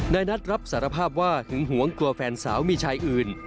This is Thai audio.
นายนัทรับสารภาพว่าหึงหวงกลัวแฟนสาวมีชายอื่น